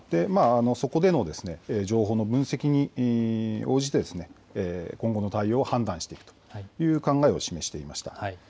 そこでの情報の分析に応じて、今後の対応を判断していくという考えを示していました。